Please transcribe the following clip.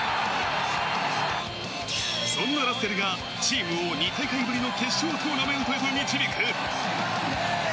そんなラッセルがチームを２大会ぶりの決勝トーナメントへと導く。